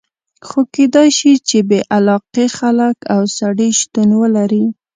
خو کېدای شي چې بې علاقې خلک او سړي شتون ولري.